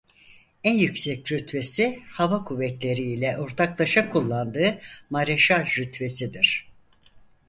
En yüksek rütbesi hava kuvvetleri ile ortaklaşa kullandığı mareşal rütbesidir.